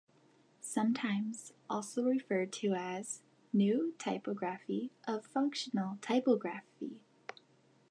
Sometimes also referred to as "New Typography" of "Functional Typography".